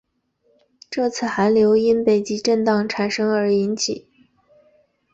这次寒流因北极震荡发生而引起。